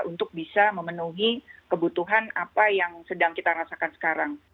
untuk bisa memenuhi kebutuhan apa yang sedang kita rasakan sekarang